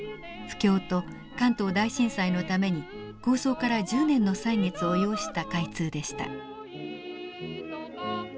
不況と関東大震災のために構想から１０年の歳月を要した開通でした。